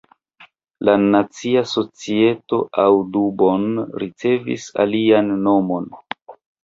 La Nacia Societo Audubon ricevis lian nomon.